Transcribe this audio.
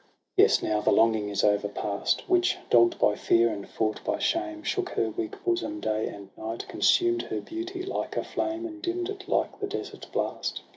— Yes, now the longing is o'erpast, Which, dogg'd by fear and fought by shame, Shook her weak bosom day and night. Consumed her beauty like a flame. And dimm'd it like the desert blast.